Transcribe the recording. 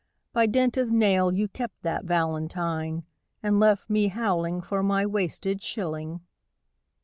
By dint of nail you kept that valentine, And left me howling for my wasted shilling.